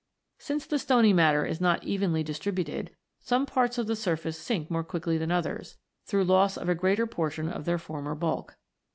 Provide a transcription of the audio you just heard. Since the stony matter is not evenly dis tributed, some parts of the surface sink more quickly than others, through loss of a greater portion of their former bulk.